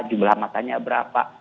jumlah masanya berapa